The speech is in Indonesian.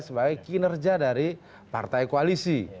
sebagai kinerja dari partai koalisi